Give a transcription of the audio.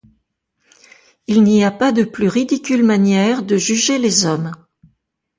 Il n'y a pas de plus ridicule manière de juger les hommes.